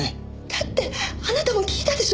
だってあなたも聞いたでしょ？